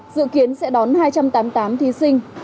dự kiến sẽ đón hai trăm tám mươi tám thí sinh